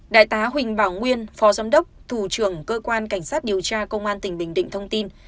đại tá huỳnh bảo nguyên phó giám đốc thủ trưởng cơ quan cảnh sát điều tra công an tỉnh bình định thông tin